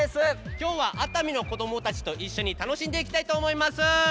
今日は熱海の子どもたちと一緒に楽しんでいきたいと思います。